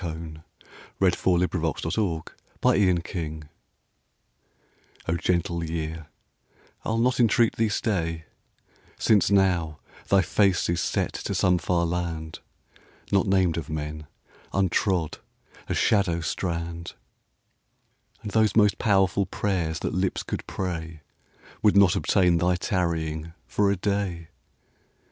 The Passing of the Year Helen Gray Cone (1859–1934) O GENTLE year, I 'll not entreat thee stay, Since now thy face is set to some far landNot named of men, untrod, a shadow strand! And those most powerful prayers that lips could prayWould not obtain thy tarrying for a day.